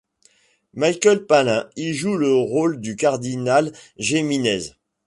Michael Palin y joue le rôle du cardinal Jiménez.